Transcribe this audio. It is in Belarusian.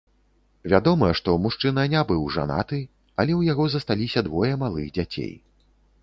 Вядома, што мужчына не быў жанаты, але ў яго засталіся двое малых дзяцей.